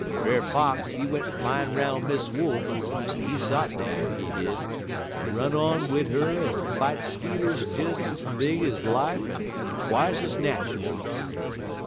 Brer Fox, he went flyin' 'roun' Miss Wolf, en he sot dar, he did, en run on wid 'er en fight skeeters des es big ez life en twice t ez natchul.